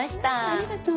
ありがとう。